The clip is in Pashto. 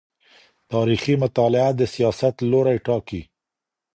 تاريخي مطالعه د سياست لوری ټاکي.